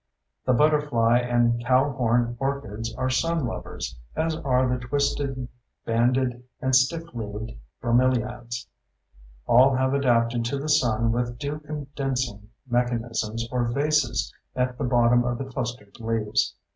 The butterfly and cowhorn orchids are sun lovers, as are the twisted, banded, and stiff leaved bromeliads. All have adapted to the sun with dew condensing mechanisms or vases at the bottom of the clustered leaves.